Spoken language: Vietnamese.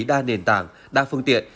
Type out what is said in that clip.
đa nền tảng đa phương tiện